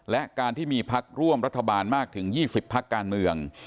และการที่มีพักร่วมรัฐบาลมากถึง๒๐พักการเมือง